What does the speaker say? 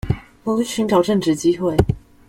努力尋找正職機會